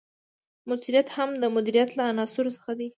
مؤثریت هم د مدیریت له عناصرو څخه دی.